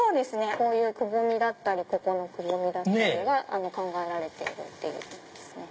こういうくぼみだったりここのくぼみだったりが考えられている。